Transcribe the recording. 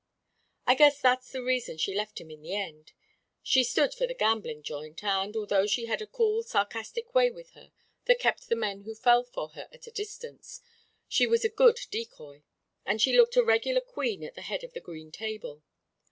"I guess that's the reason she left him in the end. She stood for the gambling joint, and, although she had a cool sarcastic way with her that kept the men who fell for her at a distance, she was a good decoy, and she looked a regular queen at the head of the green table.